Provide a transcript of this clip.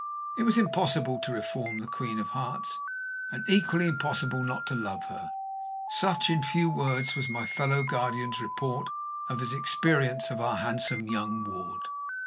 It was impossible to reform the "Queen of Hearts," and equally impossible not to love her. Such, in few words, was my fellow guardian's report of his experience of our handsome young ward.